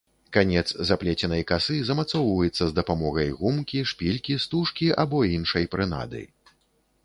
Канец заплеценай касы замацоўваецца з дапамогай гумкі, шпількі, стужкі або іншай прынады.